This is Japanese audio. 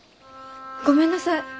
ごめんなさい！